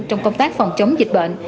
trong công tác phòng chống dịch bệnh